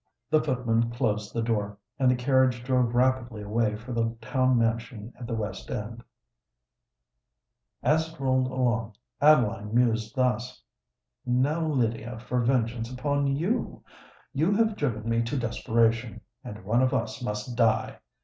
The footman closed the door—and the carriage drove rapidly away for the town mansion at the West End. And as it rolled along, Adeline mused thus:— "Now, Lydia, for vengeance upon you! You have driven me to desperation—and one of us must die!